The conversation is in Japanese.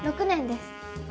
６年です。